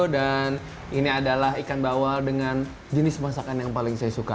dan ini adalah ikan bawal dengan jenis masakan yang paling saya suka